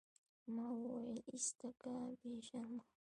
ما وويل ايسته که بې شرمه.